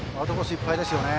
いっぱいでしたよね。